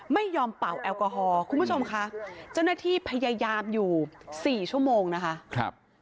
เป่าแอลกอฮอลคุณผู้ชมค่ะเจ้าหน้าที่พยายามอยู่๔ชั่วโมงนะคะ